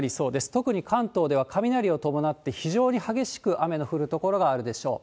特に関東では雷を伴って非常に激しく雨の降る所があるでしょう。